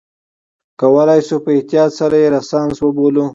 کولای شو په احتیاط سره یې رنسانس وبولو.